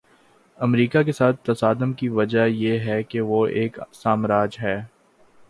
امریکہ کے ساتھ تصادم کی وجہ یہ ہے کہ وہ ایک سامراج ہے۔